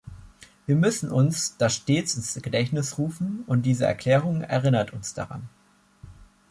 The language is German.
Wir müssen uns das stets ins Gedächtnis rufen, und diese Erklärung erinnert uns daran.